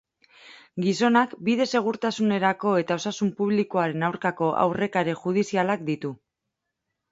Gizonak bide segurtasunaren eta osasun publikoaren aurkako aurrekari judizialak ditu.